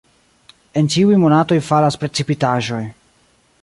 En ĉiuj monatoj falas precipitaĵoj.